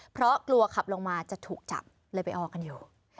เพราะกลัวขับลงมาจะถูกจับเลยไปออกันอยู่